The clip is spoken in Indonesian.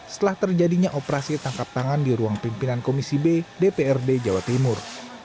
setelah terjadinya operasi tangkap tangan di ruang pimpinan komisi b dprd jawa timur